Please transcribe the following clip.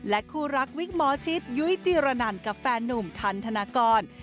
และคู่รักวิคมอร์ชิตยุยจีรนันต์กับแฟนนุ่มทันทนากร